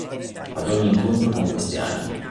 Ad ogni incontro con queste anime.